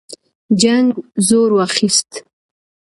جنګ زور واخیست.